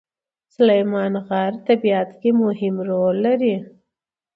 سلیمان غر په طبیعت کې مهم رول لري.